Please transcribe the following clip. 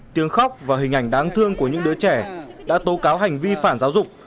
tiếng khóc và hình ảnh đáng thương của những đứa trẻ đã tố cáo hành vi phản giáo dục